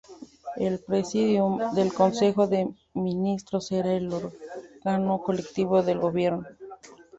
El Presidium del Consejo de Ministros era el órgano colectivo de gobierno.